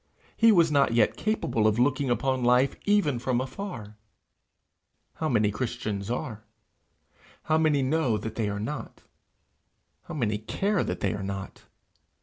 He was not yet capable of looking upon life even from afar! How many Christians are? How many know that they are not? How many care that they are not?